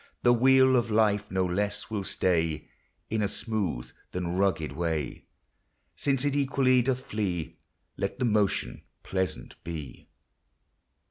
The wheel of life no less will stay In a smooth than rugged way : Since it equally doth flee, Let the motion pleasant be. LIFE.